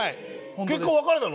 結果別れたの？